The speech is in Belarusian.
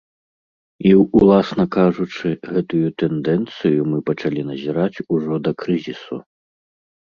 І, уласна кажучы, гэтую тэндэнцыю мы пачалі назіраць ужо да крызісу.